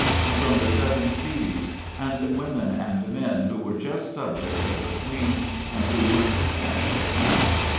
and from the Seven Seas, and women and men who were just subjects of the Queen and who were content with that.